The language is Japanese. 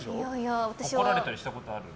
怒られたりしたことある？